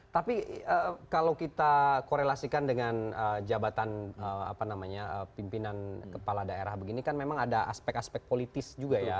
tapi kalau kita korelasikan dengan jabatan pimpinan kepala daerah begini kan memang ada aspek aspek politis juga ya